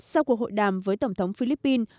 sau cuộc hội đàm với tổng thống philippines